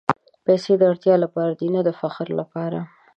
پېسې د اړتیا لپاره دي، نه د فخر لپاره.